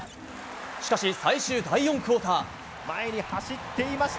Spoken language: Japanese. しかし最終第４クオーター。